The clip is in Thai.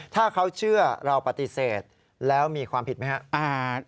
ถ้าเขาเชื่อเราปฏิเสธแล้วมีความผิดไหมครับ